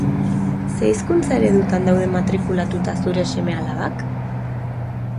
Ze hizkuntza eredutan daude matrikulatuta zure seme-alabak?